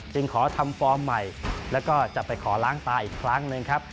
ขอทำฟอร์มใหม่แล้วก็จะไปขอล้างตาอีกครั้งหนึ่งครับ